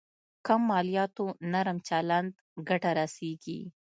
کم مالياتو نرم چلند ګټه رسېږي.